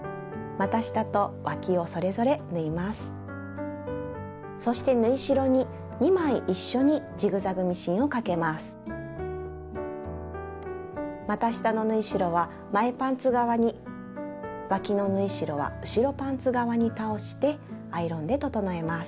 また下の縫い代は前パンツ側にわきの縫い代は後ろパンツ側に倒してアイロンで整えます。